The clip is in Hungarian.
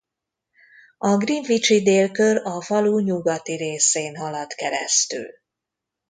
A greenwichi délkör a falu nyugati részén halad keresztül.